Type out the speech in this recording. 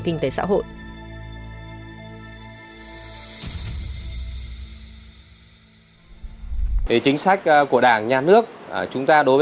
kinh tế xã hội